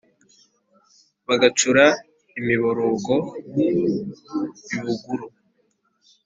Bagacura imiborogo i Buguru